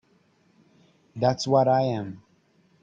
That's what I am.